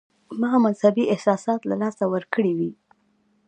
ما مذهبي احساسات له لاسه ورکړي وي.